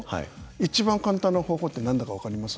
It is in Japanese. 一番簡単な方法って何だか分かります？